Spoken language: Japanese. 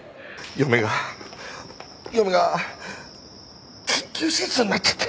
嫁が嫁が緊急手術になっちゃって。